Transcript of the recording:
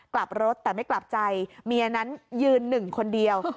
กลับรถแต่ไม่กลับใจเมียนั้นยืนหนึ่งคนเดียว